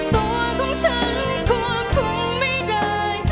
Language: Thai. ตัวของฉันควบคุมไม่ได้